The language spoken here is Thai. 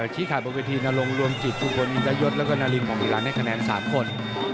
ชี้ขาบบเวทีนรงค์รวมจิตชุมพลอินทรยศและนารินของพิราณให้คะแนน๓คน